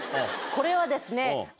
これはですね。